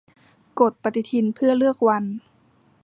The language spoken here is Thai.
กดปฏิทินเพื่อเลือกวัน